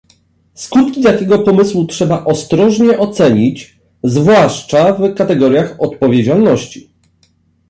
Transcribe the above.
Skutki takiego pomysłu trzeba ostrożnie ocenić, zwłaszcza w kategoriach odpowiedzialności